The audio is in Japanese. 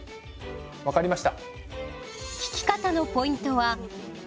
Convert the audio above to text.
分かりました。